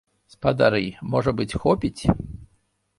Спадары, можа быць, хопіць?